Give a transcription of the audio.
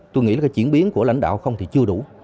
tôi nghĩ là cái chuyển biến của lãnh đạo không thì chưa đủ